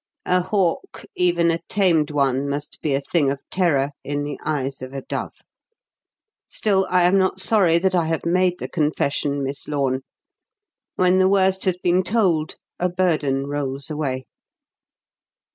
"A hawk even a tamed one must be a thing of terror in the eyes of a dove. Still, I am not sorry that I have made the confession, Miss Lorne. When the worst has been told, a burden rolls away."